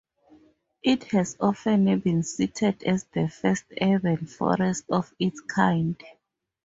It has often been cited as the first urban forest of its kind.